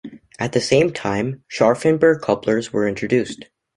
At the same time Scharfenberg couplers were introduced.